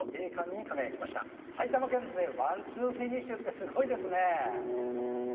ワンツーフィニッシュってすごいですね